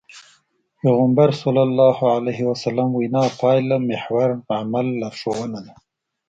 پيغمبر ص وينا پايلهمحور عمل لارښوونه ده.